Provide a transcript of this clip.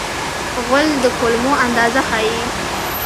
غول د کولمو اندازه ښيي.